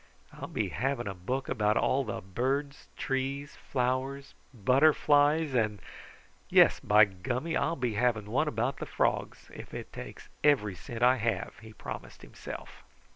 "I'll be having a book about all the birds, trees, flowers, butterflies, and Yes, by gummy! I'll be having one about the frogs if it takes every cent I have," he promised himself.